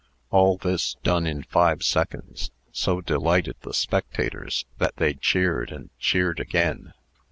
All this, done in five seconds, so delighted the spectators, that they cheered, and cheered again.